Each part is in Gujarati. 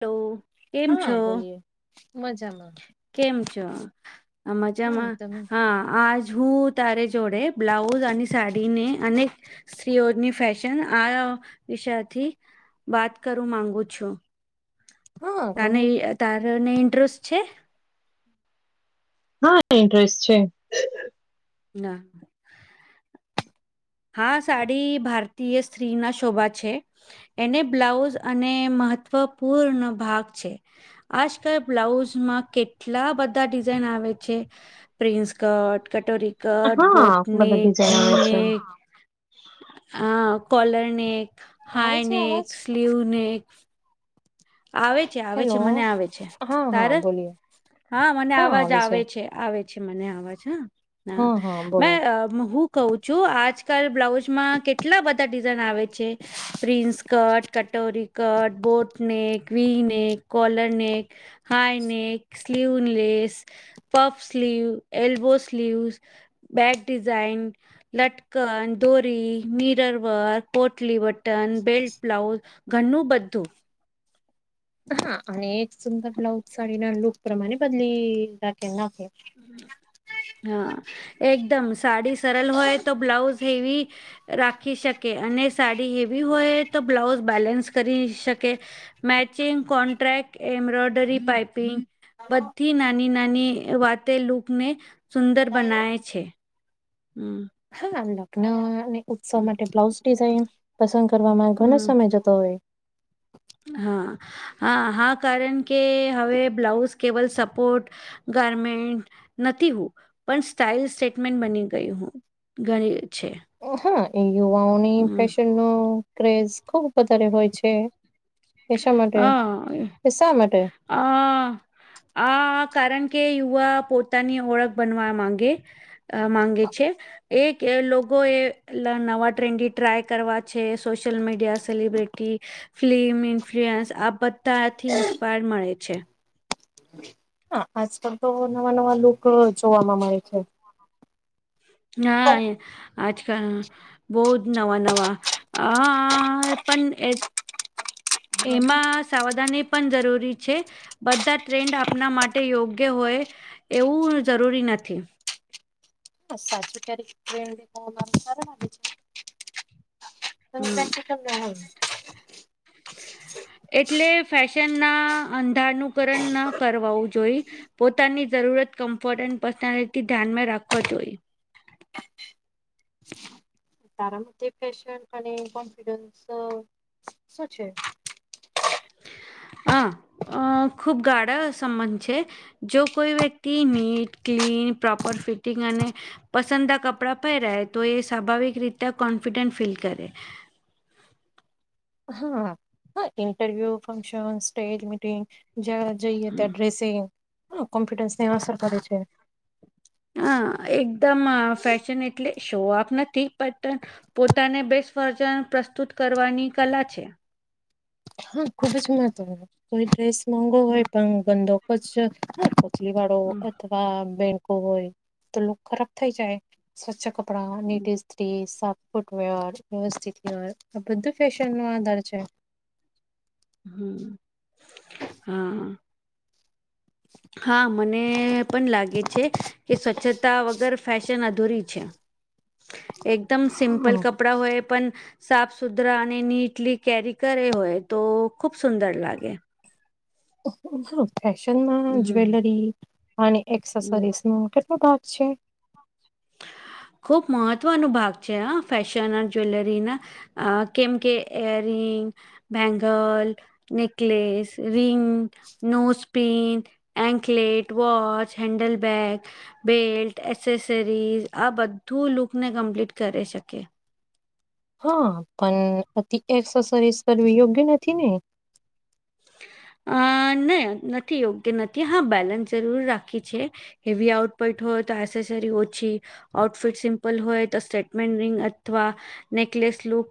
તો હા બોલીએ મજામાં કેમ છો આ હા મજામાં તમે હા આજ હું તારે જોડે બ્લાઉઝ અને સાડીને અનેક સ્ત્રીઓની ફેશન આ વિષયથી વાત કરું માંગુ છું. હા તને રોની તાર ને ઇન્ટરેસ્ટ છે? હા ઇન્ટરેસ્ટ છે. ના હા સાડી ભારતીય સ્ત્રી ના શોભા છે. એને બ્લાઉઝ અને મહત્વપૂર્ણ ભાગ છે. આજકાલ બ્લાઉઝમાં કેટલા બધા ડિઝાઇન આવે છે. પ્રિન્સ કટ, કટોરી કટ, હા બોટને બધા ક્વીન ડિઝાઇન આવે છે. અ કોલર નેક, આવે હાય છે નેક, અવાજ સ્લીવ નેક, આવે છે આવે છે હેલો મને આવે છે હા હા તારે બોલીએ હા મને અવાજ આવે છે. આવે છે મને અવાજ હા હા મે હું કવ છું આજકાલ બ્લાઉઝમાં કેટલા બધા ડિઝાઇન આવે છે. પ્રિન્સ કટ, કટોરી cut, boat neck, queue neck, collar neck, high neck, sleeveless, puff sleeve, elbow sleeve, back design, લટકન દોરી મીરર વર્ક કોટલી બટન બેલ્ટ બ્લાઉઝ ઘણું બધું હા અને એક સુંદર બ્લાઉઝ સાડી ના લુક પ્રમાણે બદલી નાખે હા એકદમ સાડી સરલ હોય તો બ્લાઉઝ હેવી રાખી શકે અને સાડી હેવી હોય તો બ્લાઉઝ બેલેન્સ કરી શકે. મેચિંગ કોન્ટ્રાક્ટ એમ્બ્રોયડરી પાઇપિંગ બધી નાની નાની વાતે લૂકને સુંદર હા બનાવે છે. હમ્મ, હા લગ્નને ઉત્સવ માટે બ્લાઉઝ ડિઝાઇન પસંદ કરવામાં ઘણો હમ સમય જતો. તો હા હા હા કારણ કે હવે બ્લાઉઝ કેવલ સપોર્ટ ગારમેન્ટ નથી હું. પણ સ્ટાઈલ સેટમેન્ટ બની ગઈ હું.. ગણી છે. હા, એ યુવાઓની હમ ફેશનનુ ક્રેઝ ખુબ વધારે હોય છે. એ શા માટે એ શા માટે [unintelligible] આ કારણ કે યુવા પોતાની ઓળખ બનવા માંગે? અ માંગે છે. એ લોકોએ નવા ટ્રેન્ડી ટ્રાય કરવા છે. Social media celebrity film influence આ બધાથી ઇન્સ્પાયર મળે છે. હા, આજકાલ તો નવા નવા લુક જોવામાં મળે છે. ના. આજકાલ બહુ જ નવા નવા આ પણ એ એમાં સાવધાની પણ જરૂરી છે. બધા ટ્રેન્ડ આપણા માટે યોગ્ય હોય. એવું જરૂરી નથી. [unintelligible] હમ ના [unintelligible] એટલે ફેશનના અંધારનું કરણના કરવાઓ જોઈ પોતાની જરૂરત કમ્ફર્ટ એન્ડ પર્સનાલિટી ધ્યાનમાં રાખવા જોઈએ. તમારા કે ફેશન અને કોન્ફિડન્સ શું છે? અ. અ ખૂબ ગાળા સંબંધ છે? જો કોઈ વ્યક્તિ નીટ ક્લીન પ્રોપર ફિટિંગ અને પસંદા કપડાં પહેરાય તો એ સ્વાભાવિક રીતે કોન્ફિડન્ટ ફીલ કરે. હા હા. ઇન્ટરવ્યુ, ફંક્શન, સ્ટેજ મીટિંગ જ્યાં જઈએ હમ. ત્યાં ડ્રેસિંગ, કોમ્પુટન્સને અસર કરે છે. હ, એકદમ ફેશન. એટલે શોઆફ નથી પણટ પોતાને બેસ્ટ વર્જન પ્રસ્તુત કરવાની કલા છે. હા, ખુબ જ [unintelligible] કોઈ ડ્રેસ મોગો હોય હમ પણ ગંદોકો જ લી વાળો હમ અથવા બેનકો હોય તો ખરાબ થઈ જાય સ્વચ્છ. [unintelligible] હમ, ફૂટવેર વ્યવસ્થિત. આ બધું ફેશનનો આધાર છે. હમ હા. હા, મને પણ લાગે છે કે સ્વચ્છતા વગર ફેશન અધૂરી છે. એકદમ સિમ્પલ હા કપડા હોય પણ સાફ સુધરા અને નીટલી કેરી કરે હોય, તો ખુબ સુંદર લાગે. ઓ [unintelligible] હ, ફેશનમાં હમ જ્વેલરી અને હમ એક્સેસરીસનો કેટલો ભાગ છે? ખુબ મહત્વનો ભાગ છે. ફેશન જ્વેલરીના અ કેમ કે, air ring, bangle. Necklace, ring, nose pin anklet, watch, handle bag, belt, accessories આ બધું લુકને કમ્પ્લીટ કરી શકે. હા, પણ અતિ એક્સસરીસ કરવી યોગ્ય નથી ને? અ નહી નથી યોગ્ય નથી. હા, બેલેન્સ જરૂર રાખી છે. હેવી આઉટપટ હોય, તો એસેસરી ઓછી આઉટફિટ સિમ્પલ હોય તો સ્ટેટમેન્ટ રિંગ અથવા નેકલેસ લુક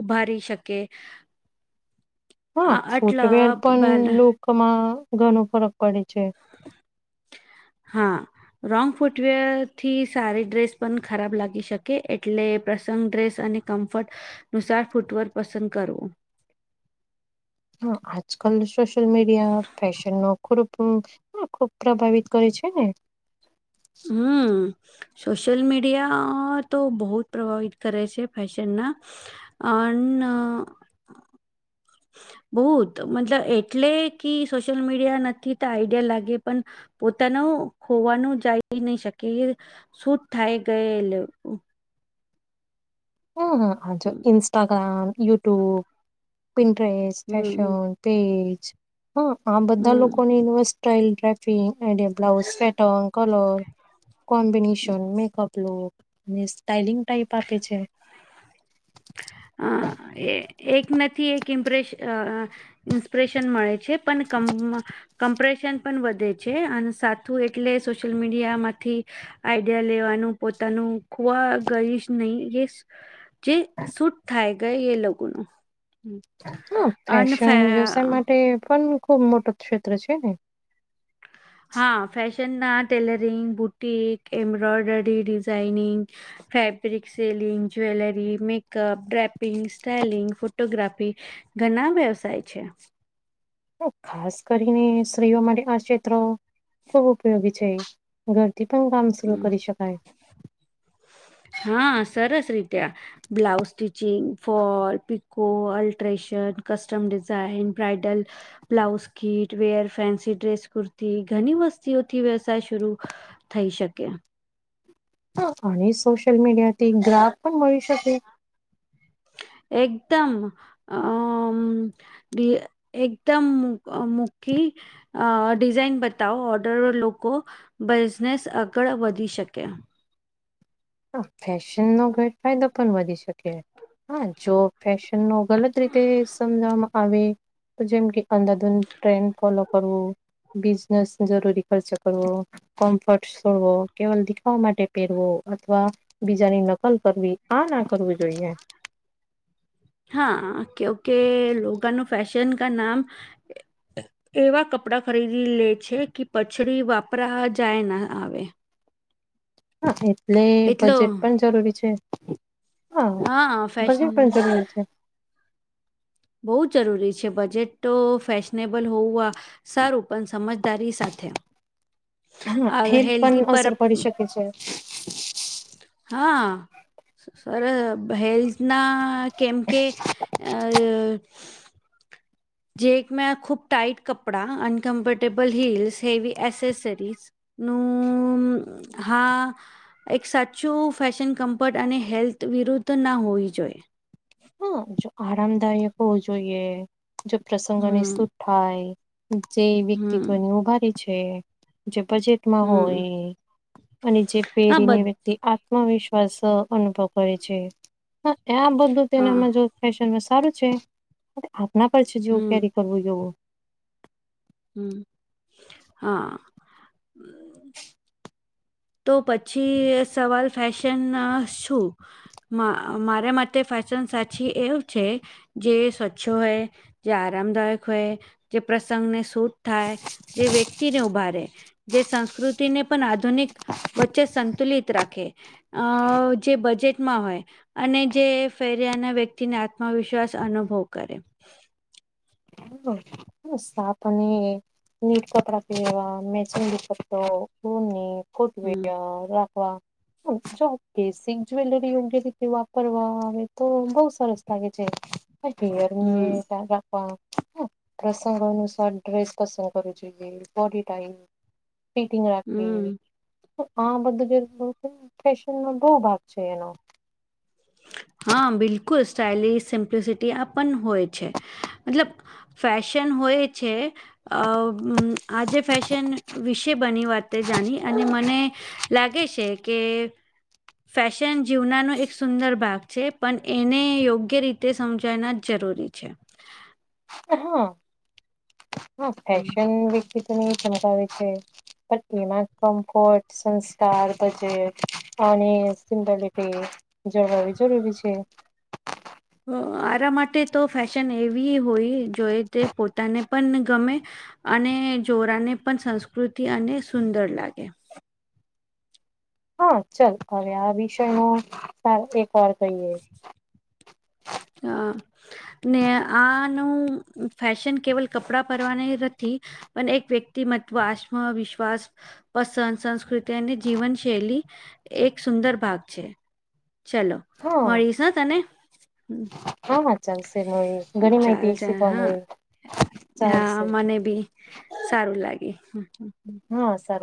ઉભારી શકે. હા, આ આટલા ફૂટવેર બાલ પણ લુકમાં ઘણો ફરક પડે છે. હા. રોંગ ફૂટવેરથી સારી ડ્રેસ પણ ખરાબ લાગી શકે. એટલે પ્રસંગ ડ્રેસ અને કમ્ફર્ટ નુસાર ફૂટવટ પસંદ કરવો હ આજકાલ સોશયલ મીડિયા ફેશનનો ખૂરપ હ ખુબ પ્રભાવિત કરે છે ને હમ્મ સોશિયલ મીડિયા તો બહુ જ પ્રભાવિત કરે છે ફેશનના અનન બહુ જ મતલબ એટલે કે સોશિયલ મીડિયા નથી તો આઈડિયા લાગે પણ પોતાનું ખોવાનું જાય નહી શકે શૂટ થાય ગયેલ હમ્મ જો હમ Instagram YouTube Pinterest dress fashion હમ તેજ આ બધા હમ લોકોને ઇન્વેસ્ટ સ્ટલ ડાફિંગડ blouse pattern colour combination makeup એલો ને સ્ટાાઈલિંગ ટાઈપ આપે છે અ એ એક નથી એક ઇમ્પ્રેશ અ ઇન્સ્પિરેશન મળે છે પણ કમ કમ્પ્રેશન પણ વધે છે અને સાથું એટલે સોશિયલ મીડિયામાંથી આઈડિયા લેવાનું પોતાનું ખુવા ગઈશ નહી એ જે સુધ થાય ગઈ એ લોકો નું હા ફેશન વ્યવસાય માટે પણ ખુબ મોટો ક્ષેત્ર છે ને હા ફેશન ના tailoring boutique embroidery designing fabric selling jewellery makeup draping styling photography ઘણા વ્યવસાય છે હા ખાસ કરીને સ્ત્રીઓ માટે આ ક્ષેત્ર ખૂબ ઉપયોગી છે ઘરથી પણ કામ શરૂ હમ. કરી શકાય હા સરસ રીતેયા blouse stitching fall પિકકો alteration custom design title blouse kit wear fancy dress kurti ઘણી વસ્તીઓથી વ્યવસાય શરૂ થઈ શકે અને સોશલ મીડિયાથી ગ્રાફ પણ મળી શકે એકદમ આ બે એકદમ મુકી અ ડિઝાઇન બતાવો ઓર્ડર લોકો બિઝનેસ આગળ વધી શકે હા ફેશનનો ઘટ ફાયદો પણ વધી શકે હા જો ફેશનનો ગલત રીતે સમજવામાં આવે તો જેમ કે અંધાધુ ટ્રેન્ડ ફોલો કરવું બિઝનેસ જરૂરી ખર્ચ કરવો કોમ્ફર્ટ છોડવો કેવલ દેખાવા માટે પહેરવો અથવા બીજાની નકલ કરવી આ ના કરવું જોઈએ હા ઓકે ઓકે લોકોનાનું ફેશન કા નામ એવા કપડાં ખરીદી લે છે કે પછડી વાપરા જાય ના આવે હા એટલે એટલો બજેટ પણ જરૂરી છે હા બજેટ પણ જરૂરી છે બહુ જરૂરી છે બજેટ તો ફેશનેબલ હોવું સારું પણ સમજ તારી સાથે હેલ્થ પણ હેલ્દી પર અસર પડી શકે છે હા સર હેલ્થ ના કેમ કે અ જે એક મે ખૂબ ટાઈટ કપડા અનકમ્ફર્ટેબલ હિલ્સ હેવી એસેસરીઝ નું હા એક સાચું ફેશન કમ્ફર્ટ અને હેલ્થ વિરુદ્ધ ના હોવી જોઈએ હા જો આરામદાયક હોવું જોઈએ જો પ્રસંગોની હમ સુઠ થાય જે હમ વ્યક્તિત્વની ઉભારી છે જે બજેટ હમ હોય અને જે હા પહેરીની બધ વ્યક્તિ. આત્મવિશ્વાસ અનુભવ કરે છે આ બધું હા તેનામાં જો. ફેશનમાં સારું છે આપના પર છે જેવું હમ કેરી કરવું જોવું. હમ હા. તો પછી સવાલ ફેશન શું. મારા માટે ફેશન સાચી એવું છે જે સ્વચ્છો હોય. જે આરામદાયક હોય જે પ્રસંગને. છૂટ થાય જે વ્યક્તિને ઉભા ર જે સંસ્કૃતિને પણ આધુનિક. વચ્ચે સંતુલિત રાખે અ જે બજેટમાં હોય. અને જે ફેર્યાના વ્યક્તિને આત્મવિશ્વાસ અનુભવ કરે. સ્થપને. નીટ કપડા પ લેવા મેચિંગ દ પો કોની કોટ હમ વય રાખવા. જો બેસિક જ્વેલરી વગે રીતે વાપરવા આવે તો બહુ સરસ. લાગે છે હમ હયરની રાપવા. પ્રસંગ અનુસાર ડ્રેસ પસંદ કરવવી જોઈએ બોડી ટાઈપ. ફીટિંગ હમ રાખવી. આ બધું જ છે ફેશનમાં બહુ ભાગ છે એનો. હા બિલકુલ સ્ટઇલિશ સિમ્પ્લસિટી આ પણ હોય છે મતલબ. ફશન હોય છે. અ આજે ફેશન વિશે બની વાત તે જાણી અને મને. લાગે છે કે ફેશન જીવનાનું એક. સુંદર ભાગ છે પણ એને યોગ્ય રીતે સમજના જ જરૂરી છે. હા હા હમ ફેશન વી તની ક્ષમતાાવ છે. પણ એમાં કમ્ફર્ટ સંસ્કાર બજેટ સમપલટી. જરૂરી જરૂરી છે. આરા માટે તો ફેશન એવી હોય જોઈ તે પોતાને પણ ગમે. અને જોરાને પણ સંસ્કૃતિ અને સુંદર લાગે. હા ચાલ હવે આ વિષય ન સ એક વાર કહીએ. હા. ને આનું ફેશન કેવલ કપડા પરવાની નથી. પણ એક વ્યક્તિમત્વ આત્મા વિિશ્વાસ. પસંદ સંસ્કૃતિ અને જીવન શૈલી એક સુંદર ભાગ છે. ચલો હા મળીશ તને. હા હા ચાલશે મળી ઘણી ચાલ માહિતી ચાલ શીખવા હા મળ. હા મને ભી સારું લાગે. હા સારું